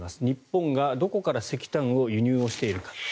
日本がどこから石炭の輸入をしているか。